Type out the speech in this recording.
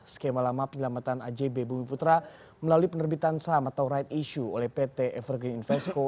skema lama penyelamatan ajb bumi putra melalui penerbitan saham atau right issue oleh pt evergen invesco